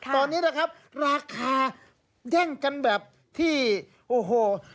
ตอนนี้นะครับราคาแย่งกันแบบที่โอ้โห